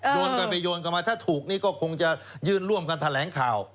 โยนกันไปโยนกันมาถ้าถูกนี่ก็คงจะยื่นร่วมกันแถลงข่าว